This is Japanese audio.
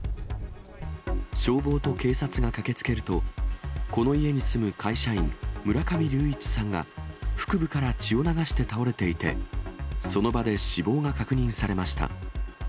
消防と警察が駆けつけると、この家に住む会社員、村上隆一さんが、腹部から血を流して倒れていて、その場で死亡が確認されました。